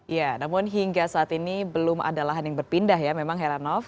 ya namun hingga saat ini belum ada lahan yang berpindah ya memang heranov